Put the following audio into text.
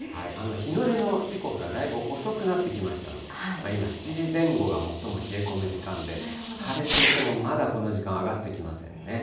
日の出の時刻がだいぶ遅くなってきましたので、今、７時前後が最も冷え込む時間で、晴れていてもまだこの時間は上がってきませんね。